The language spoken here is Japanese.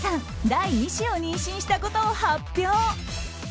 第２子を妊娠したことを発表。